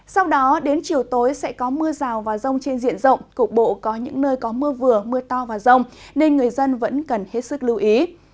sau đó đến chiều tối sẽ có mưa rào và rông trên diện rộng cục bộ có những nơi có mưa vừa mưa to và rông nên người dân vẫn cần hết sức lưu ý